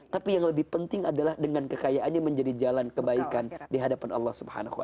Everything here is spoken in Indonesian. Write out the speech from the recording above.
tapi yang lebih penting adalah dengan kekayaannya menjadi jalan kebaikan di hadapan allah swt